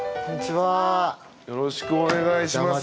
よろしくお願いします。